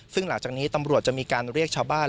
ซึ่งหลังจากนี้ตำรวจจะมีการเรียกชาวบ้าน